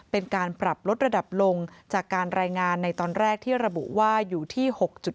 เป็นการปรับลดระดับลงจากการรายงานในตอนแรกที่ระบุว่าอยู่ที่๖๗